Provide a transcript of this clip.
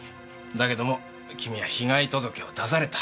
だけども君は被害届を出された。